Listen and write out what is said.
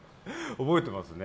覚えてますね。